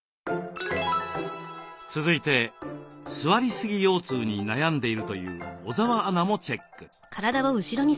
続いて「座りすぎ腰痛」に悩んでいるという小澤アナもチェック。